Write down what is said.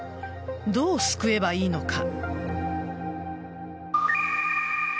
どう救えばいいのか。